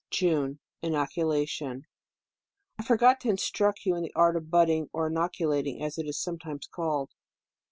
JUNE. Inoculation. — I forgot to instruct you in the art of budding, or inoculating, as it is sometimes called.